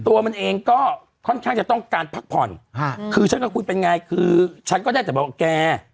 ตัวมันเองก็ค่อนข้างจะต้องการพักผ่อนคือฉันกับคุณเป็นไงคือฉันก็ได้แต่บอกแก